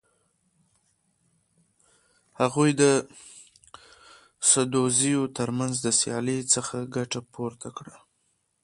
هغوی د سدوزیو تر منځ د سیالۍ څخه ګټه پورته کړه.